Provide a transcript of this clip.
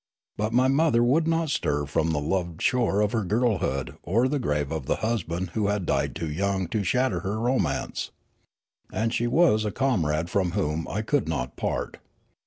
But my mother would not stir from the loved shore of her girlhood or the grave of the husband who had died too young to shatter her romance. And she was a comrade from whom I could not part.